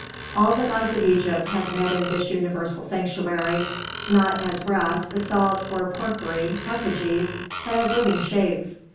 All the gods of Egypt had met in this universal sanctuary, not as brass, basalt, or porphyry effigies, but as living shapes.